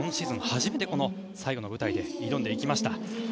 初めて最後の舞台で挑んでいきました。